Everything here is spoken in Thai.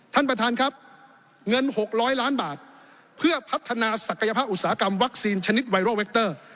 ท่านประธานครับเงิน๖๐๐ล้านบาทเพื่อพัฒนาศักยภาพอุตสาหกรรมวัคซีนชนิดไวรอลแวคเตอร์